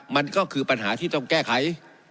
มันก็คือปัญหาที่ต้องแก้ไข